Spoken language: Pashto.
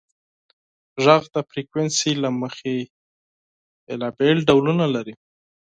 • ږغ د فریکونسۍ له مخې مختلف ډولونه لري.